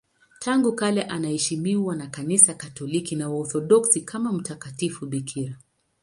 Tangu kale anaheshimiwa na Kanisa Katoliki na Waorthodoksi kama mtakatifu bikira.